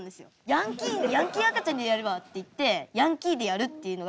ヤンキー赤ちゃんでやればっていってヤンキーでやるっていうのが。